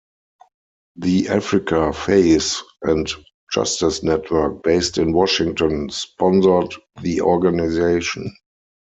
The Africa Faith and Justice Network, based in Washington, sponsored the organization.